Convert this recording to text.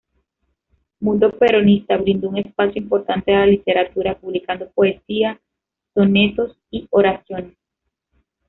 Mundo Peronista brindó un espacio importante a la literatura, publicando poesía, sonetos y oraciones.